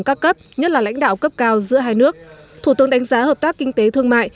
các cấp nhất là lãnh đạo cấp cao giữa hai nước thủ tướng đánh giá hợp tác kinh tế thương mại